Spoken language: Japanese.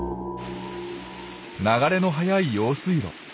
流れの速い用水路。